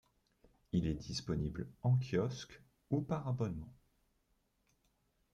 Il est disponible en kiosque ou par abonnement.